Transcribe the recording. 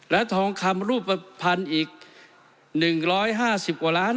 และทองคำรูปภัณฑ์อีก๑๕๐กว่าล้าน